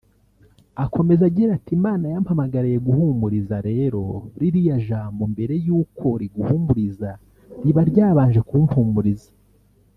Akomeza agira ati “Imana yampamagariye guhumuriza rero ririya jambo mbere y’uko riguhumuriza riba ryabanje kumpumuriza